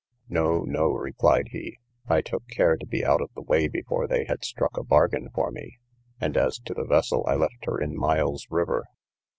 No, no, replied he, I took care to be out of the way before they had struck a bargain for me; and, as to the vessel, I left her in Miles river.